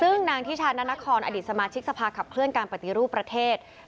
ซึ่งนางทิชานานครอดีตสมาชิกสภาขับเคลื่อนการปฏิรูปประเทศ